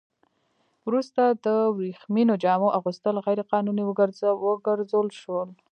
وروسته د ورېښمينو جامو اغوستل غیر قانوني وګرځول شول.